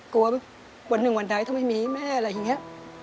วันหนึ่งวันใดถ้าไม่มีแม่อะไรอย่างนี้